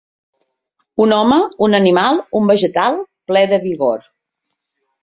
Un home, un animal, un vegetal, ple de vigor.